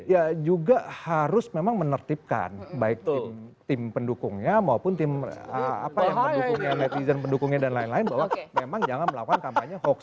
ya juga harus memang menertibkan baik tim pendukungnya maupun tim apa yang mendukungnya netizen pendukungnya dan lain lain bahwa memang jangan melakukan kampanye hoax